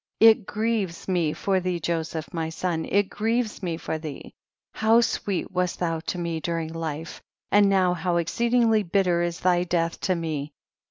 24. It gieves me for thee Joseph my son, it grieves me for thee ; how sweet wast thou to me during life, and now how exceedingly bitter is thy death to me.